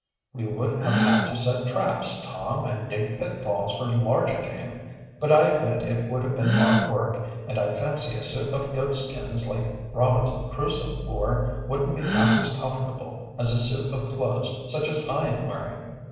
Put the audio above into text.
"We would have had to set traps, Tom, and dig pitfalls for larger game. But I admit it would have been hard work, and I fancy a suit of goatskins, like Robinson Crusoe wore, wouldn't be half as comfortable as a suit of clothes such as I am wearing."